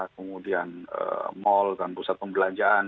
kemudian mal dan pusat pembelanjaan